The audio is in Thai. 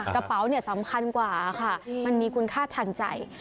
กระเป๋าเนี่ยสำคัญกว่าค่ะมันมีคุณค่าทางใจ